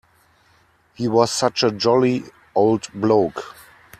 He was such a jolly old bloke.